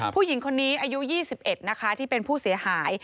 ผู้หญิงคนนี้อายุ๒๑นะคะที่เป็นผู้เสียหาย